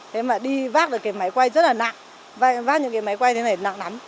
thế mà đi vác được cái máy quay rất là nặng vát những cái máy quay thế này nặng lắm